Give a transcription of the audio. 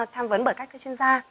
tham vấn bởi các chuyên gia